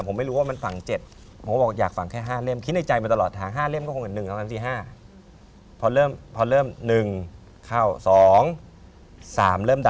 ไม่เข็มไม่ใช่ผมก็ถามหมอว่า